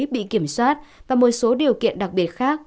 bị kiểm soát và một số điều kiện đặc biệt khác